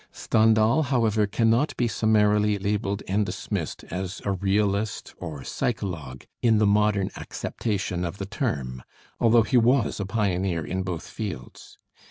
Stendhal, however, cannot be summarily labeled and dismissed as a realist or psychologue in the modern acceptation of the term, although he was a pioneer in both fields.